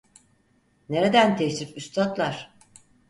Nereden teşrif, üstatlar?